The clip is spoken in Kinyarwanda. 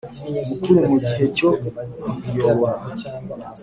Mukuru mu gihe cyo kuyiyobora